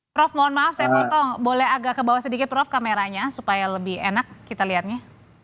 prof mohon maaf saya potong boleh agak ke bawah sedikit prof kameranya supaya lebih enak kita lihatnya